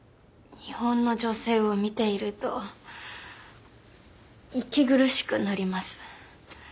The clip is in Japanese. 日本の女性を見ていると息苦しくなります。